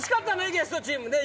ゲストチームね